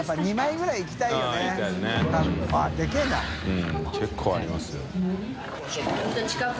うん結構ありますよ。